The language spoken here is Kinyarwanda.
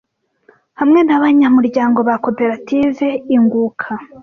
hamwe na banyamuryango ba koperative inguka